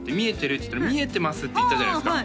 っつったら見えてますって言ったじゃないですか